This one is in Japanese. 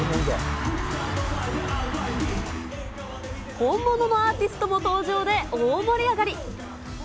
本物のアーティストも登場で、大盛り上がり。